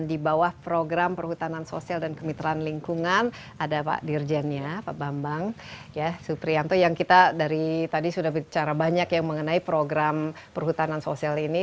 di bawah program perhutanan sosial dan kemitraan lingkungan ada pak dirjennya pak bambang suprianto yang kita dari tadi sudah bicara banyak yang mengenai program perhutanan sosial ini